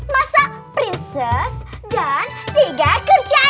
masa prinses dan tiga kerja